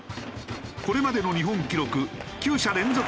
これまでの日本記録９者連続